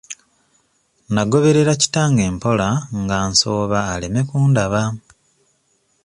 Nagoberera kitange mpola nga nsooba aleme kundaba.